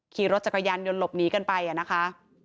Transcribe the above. ขี่รถจักรยานยนต์หลบหนีกันไปนะคะ